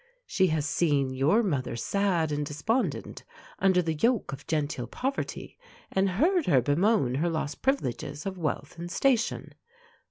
She has seen your mother sad and despondent, under the yoke of genteel poverty, and heard her bemoan her lost privileges of wealth and station.